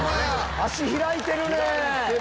足開いてるね！